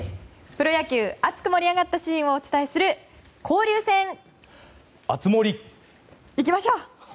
プロ野球、熱く盛り上がったシーンをお伝えする熱盛！